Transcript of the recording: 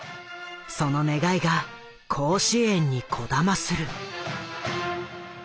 その願いが甲子園にこだまする。